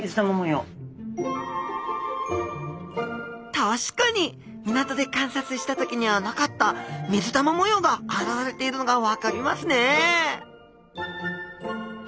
確かに港で観察した時にはなかった水玉模様があらわれているのが分かりますね